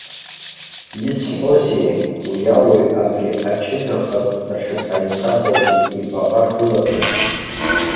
Исҳәозеи, уи ауаҩ абри аҷыдахаз даҽак ҟаимҵазаргьы ибаҟа ргылатәын.